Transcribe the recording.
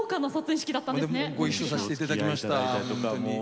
ご一緒させていただきました。